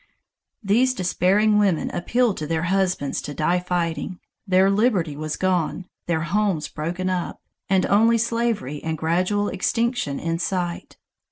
These despairing women appealed to their husbands to die fighting: their liberty was gone, their homes broken up, and only slavery and gradual extinction in sight.